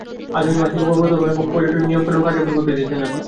আগামী মাস থেকেই পর্বতারোহণ এবং পর্যটনের এসব নিয়ম-কানুন কার্যকর করতে যাচ্ছে নেপাল।